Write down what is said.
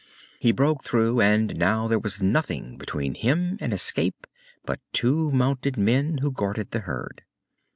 He broke through, and now there was nothing between him and escape but two mounted men who guarded the herd.